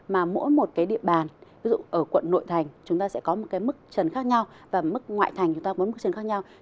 mà mỗi một cái địa bàn ví dụ ở quận nội thành chúng ta sẽ có một cái mức trần khác nhau và mức ngoại thành chúng ta bốn mức trần khác nhau